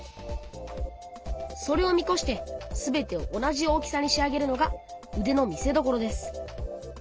それを見こしてすべてを同じ大きさに仕上げるのがうでの見せどころです。